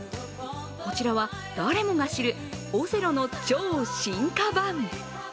こちらは誰もが知るオセロの超進化版。